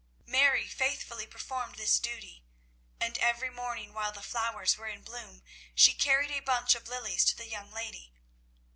Mary faithfully performed this duty, and every morning while the flowers were in bloom she carried a bunch of lilies to the young lady.